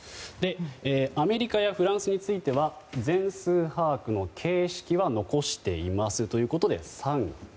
アメリカやフランスについては全数把握の形式は残していますということで△です。